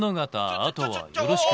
あとはよろしく。